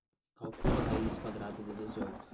Calcula a raiz quadrada de dezoito